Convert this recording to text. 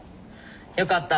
よかった。